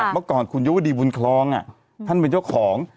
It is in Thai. เมื่อก่อนคุณยุวดีบุญคลองท่านเป็นเจ้าของ